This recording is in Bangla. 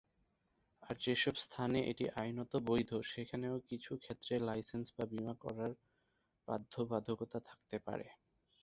আর যেসব স্থানে এটি আইনত বৈধ, সেখানেও কিছু ক্ষেত্রে লাইসেন্স বা বীমা করার বাধ্যবাধকতা থাকতে পারে।